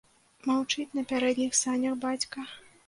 Маўчыць на пярэдніх санях бацька.